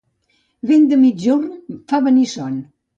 Vent de migjorn fa venir son.